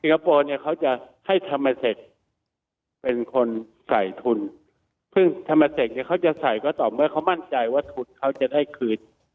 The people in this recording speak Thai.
สิงคโปร์เนี้ยเขาจะให้เป็นคนใส่ทุนซึ่งเนี้ยเขาจะใส่ก็ต่อเมื่อเขามั่นใจว่าทุนเขาจะได้คืน